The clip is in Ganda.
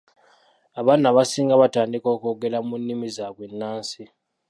Abaana abasinga batandika okwogera mu nnimi zaabwe ennansi.